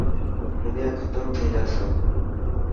دنيا ختم ٿي جاسي.